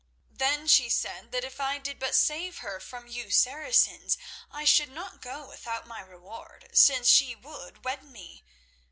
Then she said that if I did but save her from you Saracens, I should not go without my reward, since she would wed me.